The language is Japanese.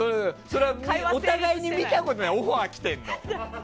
お互いに見たことないオファー来てんの。